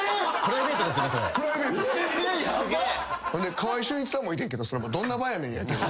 川合俊一さんもいてんけどどんな場やねんやけど。